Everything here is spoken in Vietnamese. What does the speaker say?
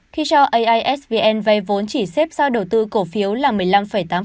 khi cho aisvn vay vốn chỉ xếp sau đầu tư cổ phiếu là một mươi năm tám